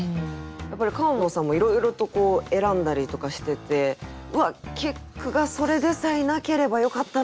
やっぱり川野さんもいろいろと選んだりとかしててうわっ結句がそれでさえなければよかったのに！とか。